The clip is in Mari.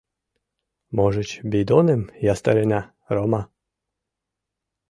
— Можыч, бидоным ястарена, Рома?